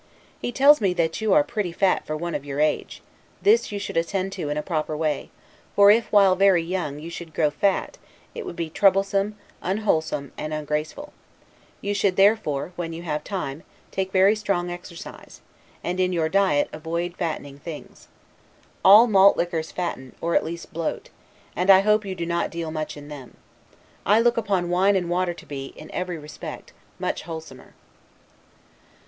He tells me that you are pretty fat for one of your age: this you should attend to in a proper way; for if, while very young; you should grow fat, it would be troublesome, unwholesome, and ungraceful; you should therefore, when you have time, take very strong exercise, and in your diet avoid fattening things. All malt liquors fatten, or at least bloat; and I hope you do not deal much in them. I look upon wine and water to be, in every respect; much wholesomer.